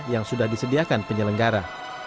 yang sudah disediakan penyelenggara